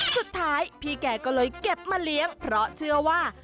สุดท้ายพี่แกก็เลยเก็บมาเลี้ยงเพราะเชื่อว่า